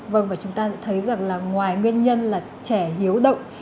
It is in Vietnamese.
vâng và chúng ta thấy rằng là ngoài nguyên nhân là trẻ hiếu động